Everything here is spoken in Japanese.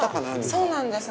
そうなんです。